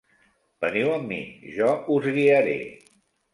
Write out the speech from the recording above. Veniu amb mi: jo us guiaré.